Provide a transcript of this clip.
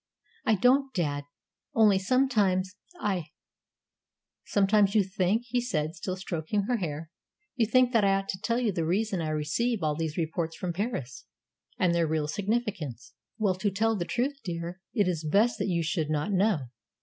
"I don't, dad; only sometimes I " "Sometimes you think," he said, still stroking her hair "you think that I ought to tell you the reason I receive all these reports from Paris, and their real significance. Well, to tell the truth, dear, it is best that you should not know.